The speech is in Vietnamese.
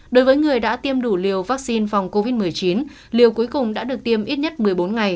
đối với người đã tiêm đủ liều vaccine phòng covid một mươi chín liều cuối cùng đã được tiêm ít nhất một mươi bốn ngày